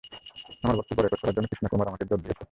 আমার বক্তব্য রেকর্ড করার জন্য, কৃষ্ণা কুমার আমাকে জোর দিয়েছে।